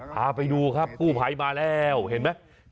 พาไปดูครับกู้ภัยมาแล้วเห็นไหม